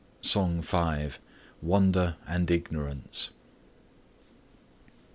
SONG V. WONDER AND IGNORANCE.